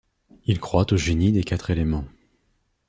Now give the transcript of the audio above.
Il croit aux génies des quatre éléments.